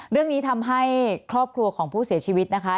เรื่องนี้ทำให้ครอบครัวของผู้เสียชีวิตนะคะ